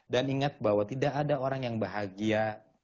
dan ingat bahwa tidak ada orang yang bahagia